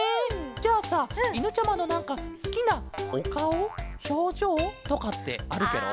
じゃあさいぬちゃまのなんかすきなおかおひょうじょうとかってあるケロ？